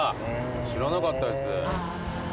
知らなかったです。